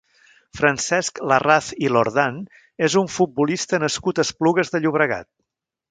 Francesc Larraz i Lordan és un futbolista nascut a Esplugues de Llobregat.